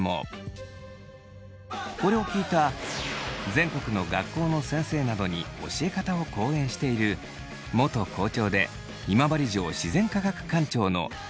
これを聞いた全国の学校の先生などに教え方を講演している元校長で今治城自然科学館長の村上圭司さんによると。